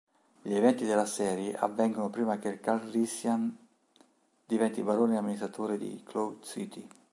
Gli eventi della serie avvengono prima che Calrissian diventi Barone Amministratore di Cloud City.